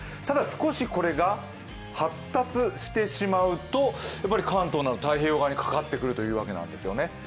ただ少しこれが発達してしまうと、関東など太平洋側にかかってくるというわけなんですよね。